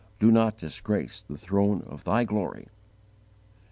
_Do not disgrace the throne of Thy glory!"